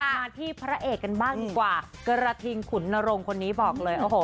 มาที่พระเอกกันบ้างดีกว่ากระทิงขุนนรงคนนี้บอกเลยโอ้โห